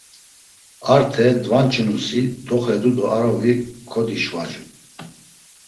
Arte dvanç̌inusi doxedu do a xovi kodişvacu.